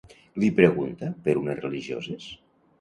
Li pregunta per unes religioses?